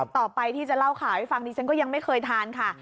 ต่อไปที่จะเล่าข่าวให้ฟังดิฉันก็ยังไม่เคยทานค่ะ